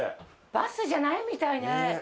バスじゃないみたいね。